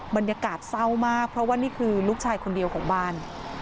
บรรยากาศเศร้ามากเพราะว่านี่คือลูกชายคนเดียวของบ้าน